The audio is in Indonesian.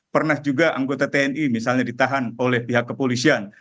pernah juga anggota tni misalnya ditahan oleh pihak kepolisian